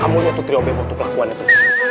kamu lihat tuh terobengmu tuh kelakuan itu